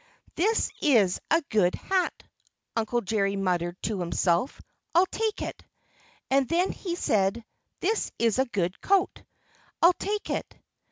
"This is a good hat!" Uncle Jerry muttered to himself. "I'll take it." And then he said, "This is a good coat! I'll take it."